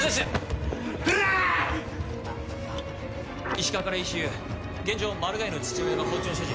石川からＥＣＵ現場マルガイの父親が包丁を所持。